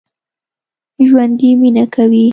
ژوندي مېنه کوي